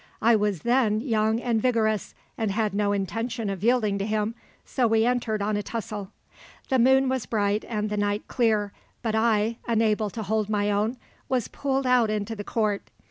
I was then young and vigorous, and had no intention of yielding to him, so we entered on a tussle. The moon was bright and the night clear, but I, unable to hold my own, was pulled out into the court.